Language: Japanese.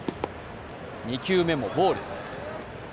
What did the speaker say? ２球目もボール。